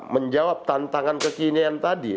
menjawab tantangan kekinian tadi